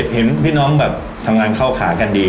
เห็นพี่น้องแบบทำงานเข้าขากันดี